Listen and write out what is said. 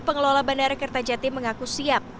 pengelola bandara kertajati mengaku siap